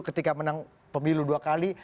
ketika menang pemilu dua kali